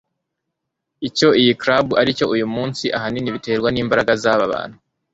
icyo iyi club aricyo uyumunsi ahanini biterwa nimbaraga zaba bantu